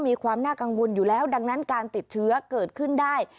มีความน่ากังวลอยู่แล้วดังนั้นการติดเชื้อเกิดขึ้นได้